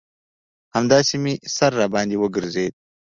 همداسې مې سر راباندې وگرځېد.